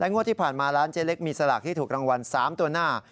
งวดที่ผ่านมาร้านเจ๊เล็กมีสลากที่ถูกรางวัล๓ตัวหน้า